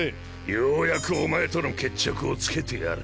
ようやくお前との決着をつけてやる。